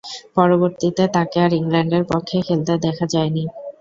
পরবর্তীতে তাকে আর ইংল্যান্ডের পক্ষে খেলতে দেখা যায়নি।